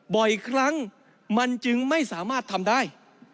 บ่อยครั้งมันจึงไม่สามารถทำได้